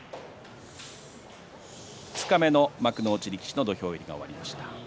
二日目の幕内力士の土俵入りが終わりました。